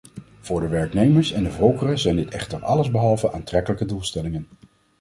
Voor de werknemers en de volkeren zijn dit echter allesbehalve aantrekkelijke doelstellingen.